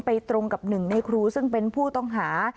ตรงกับหนึ่งในครูซึ่งเป็นผู้ต้องหา